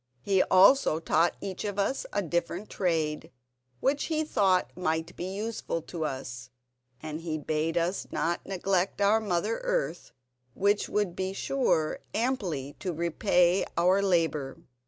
He also taught each of us a different trade which he thought might be useful to us, and he bade us not neglect our mother earth, which would be sure amply to repay our labour."